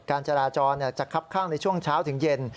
การจราจรจะคับข้างในช่วงเช้าถึงเย็น